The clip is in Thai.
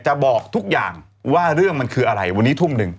บอกทุกอย่างว่าเรื่องมันคืออะไรวันนี้ทุ่มหนึ่ง